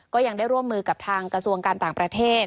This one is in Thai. ก็ยังได้ร่วมมือกับทางกระทรวงการต่างประเทศ